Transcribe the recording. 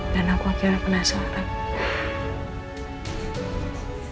dan aku akhirnya penasaran